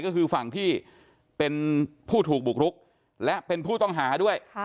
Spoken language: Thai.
ก็คือฝั่งที่เป็นผู้ถูกบุกรุกและเป็นผู้ต้องหาด้วย